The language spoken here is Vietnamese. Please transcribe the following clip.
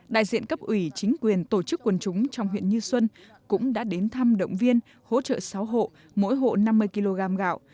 đại diện cấp ủy chính quyền tổ chức quần chúng trong huyện như xuân cũng đã đến thăm động viên hỗ trợ sáu hộ mỗi hộ năm mươi kg gạo